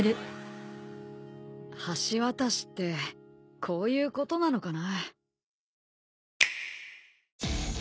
橋渡しってこういうことなのかな？